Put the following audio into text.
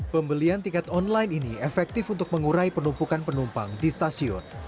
pembelian tiket online ini efektif untuk mengurai penumpukan penumpang di stasiun